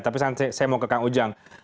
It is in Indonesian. tapi saya mau ke kang ujang